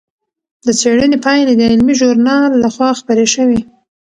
د څېړنې پایلې د علمي ژورنال لخوا خپرې شوې.